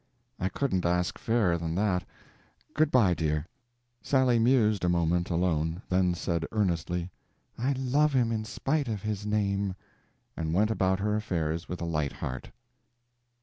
"I couldn't ask fairer than that. Good bye, dear." Sally mused a moment alone, then said earnestly, "I love him in spite of his name!" and went about her affairs with a light heart.